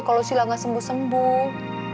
kalau sila gak sembuh sembuh